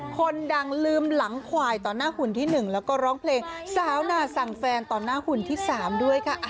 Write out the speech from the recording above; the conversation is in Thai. คนดังลืมหลังควายต่อหน้าหุ่นที่๑แล้วก็ร้องเพลงสาวนาสั่งแฟนต่อหน้าหุ่นที่๓ด้วยค่ะ